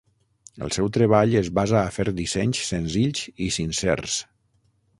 El seu treball es basa a fer dissenys senzills i sincers.